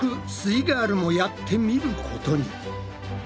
イガールもやってみることに。